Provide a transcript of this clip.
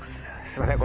すいません